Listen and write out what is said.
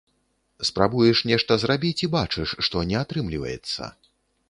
Спрабуеш нешта зрабіць, і бачыш, што не атрымліваецца.